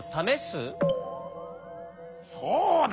そうだ。